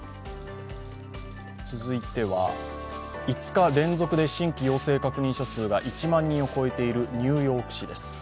続いては、５日連続で新規陽性確認者数が１万人を超えているニューヨーク市です。